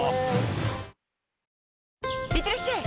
いってらっしゃい！